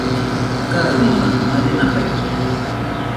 Kaɨmona marena baite